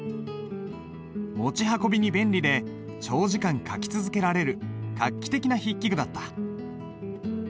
持ち運びに便利で長時間書き続けられる画期的な筆記具だった。